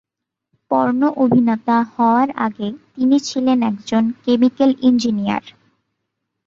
Porn অভিনেতা হওয়ার আগে তিনি ছিলেন একজন কেমিক্যাল ইঞ্জিনিয়ার।